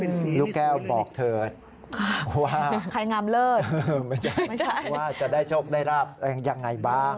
ลูกแก้วบอกเถิดว่าไม่ใช่ว่าจะได้ชกได้รับยังไงบ้าง